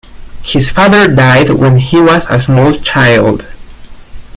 His father died when he was a small child.